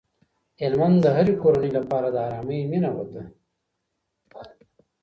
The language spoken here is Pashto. هلمند د هرې کورنۍ لپاره د ارامۍ مينه ده.